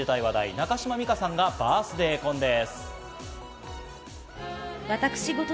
中島美嘉さんがバースデー婚です。